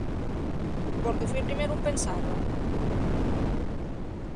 Porque fui'l primeru en pensalo.